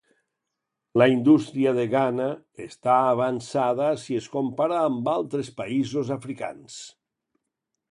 La indústria de Ghana està avançada si es compara amb altres països africans.